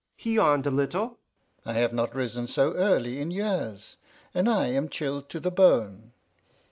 He yawned a little. "I have not risen so early in years, and I am chilled to the bone.